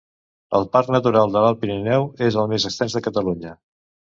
El Parc Natural de l'Alt Pirineu és el més extens de Catalunya.